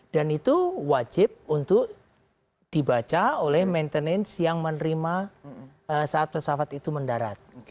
dan itu wajib untuk dibaca oleh maintenance yang menerima saat pesawat itu mendarat